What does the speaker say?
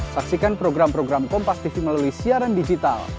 saksikan program program kompastv melalui siaran digital